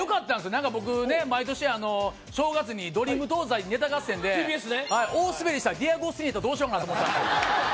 何か僕ねっ毎年あの正月に「ドリーム東西ネタ合戦」でＴＢＳね大スベりした「デアゴスティーニ」やったらどうしようかなと思ったんですよ